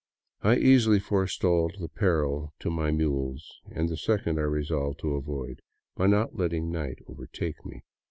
I easily forestalled the peril to my mules, and the second I resolved to avoid by not letting night overtake me.